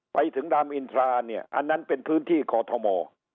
ไปถึงรามอินทราเนี่ยอันนั้นเป็นพื้นที่กอทม